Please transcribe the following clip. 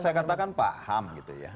saya katakan paham gitu ya